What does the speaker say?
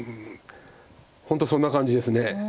本当そんな感じです。